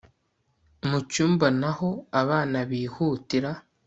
mucyumba naho abana bihutira